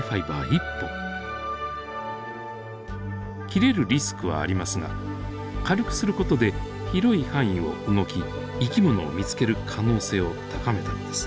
切れるリスクはありますが軽くする事で広い範囲を動き生き物を見つける可能性を高めたのです。